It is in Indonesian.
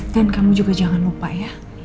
dan kamu juga jangan lupa ya